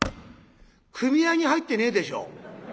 組合に入ってねえでしょ？